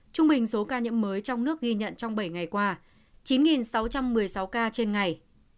trung bình số ca nhiễm mới trong nước ghi nhận trong bảy ngày qua chín sáu trăm một mươi sáu ca trên ngày